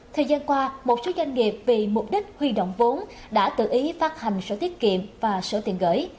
thời gian qua một số doanh nghiệp vì mục đích huy động vốn đã tự ý phát hành sổ tiết kiệm và sổ tiền gửi